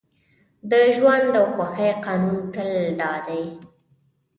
د ژوند او خوښۍ قانون تل دا دی